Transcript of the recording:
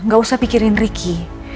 gak usah pikirin riki